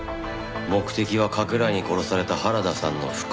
目的は加倉井に殺された原田さんの復讐。